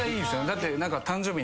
だって。